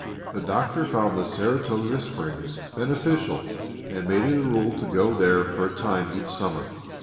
The Doctor found the Saratoga Springs beneficial and made it a rule to go there for a time each summer.